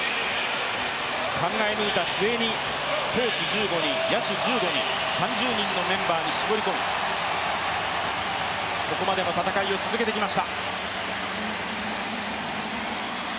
考え抜いた末に投手１５人、野手１５人３０人のメンバーに絞り込み、ここまでの戦いを続けてきました。